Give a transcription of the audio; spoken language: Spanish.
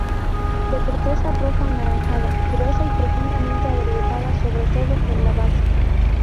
De corteza rojo anaranjada, gruesa y profundamente agrietada sobre todo en la base.